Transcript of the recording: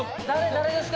誰ですか？